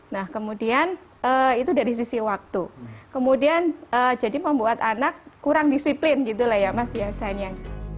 nah kemudian itu dari sisi waktu kemudian jadi membuat anak kurang disiplin gitu lah ya mas biasanya